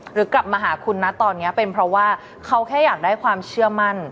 หรือกลับมาหาคุณนะตอนนี้เป็นเพราะว่าเขาแค่อยากได้ความเชื่อมั่น